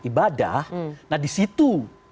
ibadah nah disitu